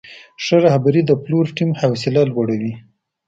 ښه رهبري د پلور ټیم حوصله لوړوي.